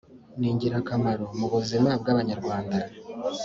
ni ingirakamaro mu buzima bw’abanyarwanda.